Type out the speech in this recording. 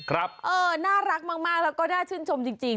เออน่ารักมากแล้วก็น่าชื่นชมจริง